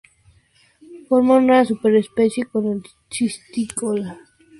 Forma una superespecie con el cistícola buitrón y el cistícola de Socotora.